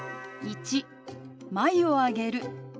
１眉を上げる。